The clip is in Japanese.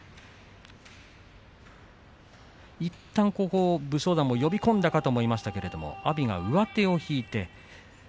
いったん武将山が呼び込んだかと思いましたが阿炎が上手を引きました。